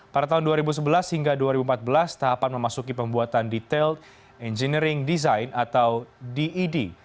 pada tahun dua ribu sebelas hingga dua ribu empat belas tahapan memasuki pembuatan detail engineering design atau ded